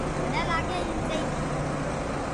مني لاگيي ايم سھي ھي